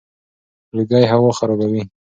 لوګي هوا خرابوي.